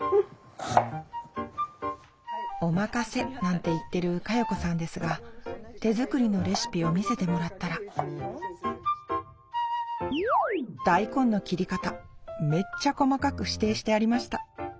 「お任せ」なんて言ってる加代子さんですが手作りのレシピを見せてもらったら大根の切り方めっちゃ細かく指定してありました！